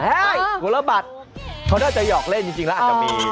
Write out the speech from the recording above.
เฮ้ยกลัวแล้วบัตรเขาน่าจะหยอกเล่นจริงแล้วอาจจะมี